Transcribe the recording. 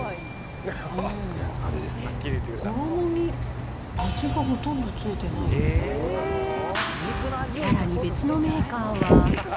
衣に味がほとんどついてないさらに別のメーカーは。